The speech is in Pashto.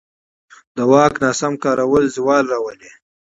د واک ناسم کارول زوال راولي